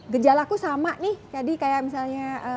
gejala aku sama nih tadi kayak misalnya